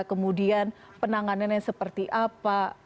kemudian penanganannya seperti apa